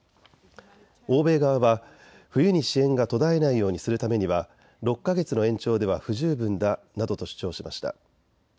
欧米側は冬に支援が途絶えないようにするためには６か月の延長では不十分だなどと主張しました。